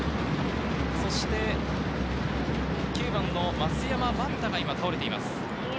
そして９番の増山万太が今倒れています。